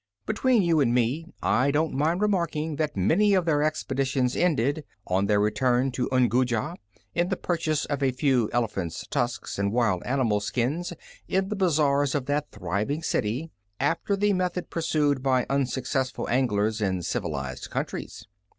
Between you and me, I don't mind remarking that many of their expeditions ended, on their return to Unguja, in the purchase of a few elephants' tusks and wild animal skins in the bazaars of that thriving city, after the method pursued by unsuccessful anglers in civilized countries.